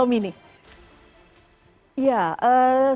tapi hanya tiga saja yang kemudian lolos menyebutnya